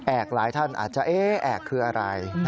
แอกหลายท่านอาจจะแอกคืออะไร